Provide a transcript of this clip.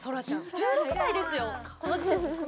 １６歳ですよ！